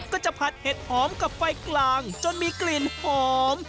จะผัดเห็ดหอมกับไฟกลางจนมีกลิ่นหอม